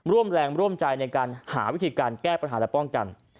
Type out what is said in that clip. ร่วมแรงร่วมใจในการหาวิธีการแก้ปัญหาและป้องกัน